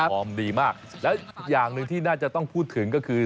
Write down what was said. ฟอร์มดีมากแล้วอย่างหนึ่งที่น่าจะต้องพูดถึงก็คือ